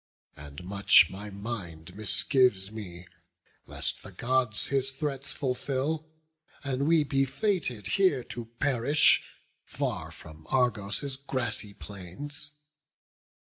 And much my mind misgives me, lest the Gods His threats fulfil, and we be fated here To perish, far from Argos' grassy plains.